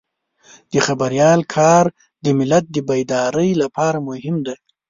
د خبریال کار د ملت د بیدارۍ لپاره مهم دی.